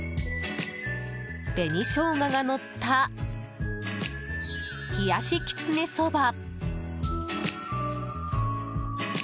紅ショウガがのった冷やしきつねそば。